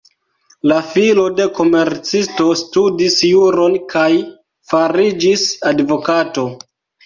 La filo de komercisto studis juron kaj fariĝis advokato.